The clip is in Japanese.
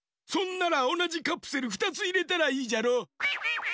そんならおなじカプセル２ついれたらいいじゃろ！